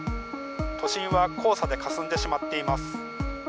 都心は黄砂でかすんでしまっています。